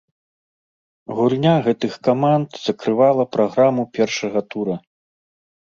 Гульня гэтых каманд закрывала праграму першага тура.